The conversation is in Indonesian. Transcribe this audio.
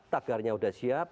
tagarnya udah siap